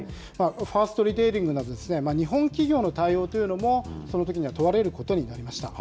ファーストリテイリングなど、日本企業の対応というのも、そのときには問われることになりました。